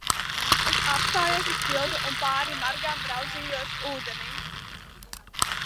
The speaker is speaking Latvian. Es apstājos uz tilta un pāri margām raudzījos ūdenī.